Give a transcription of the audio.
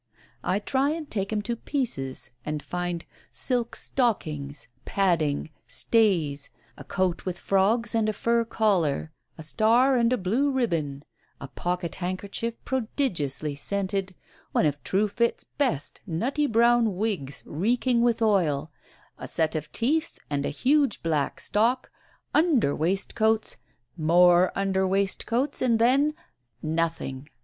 I try and take him to pieces, and find silk stockings, padding, stays, a coat with frogs and a fur collar, a star and blue ribbon, a pocket handkerchief prodigiously scented, one of Truefitt's best nutty brown wigs reeking with oil, a set of teeth and a huge black stock, under waistcoats, more under waistcoats, and then nothing.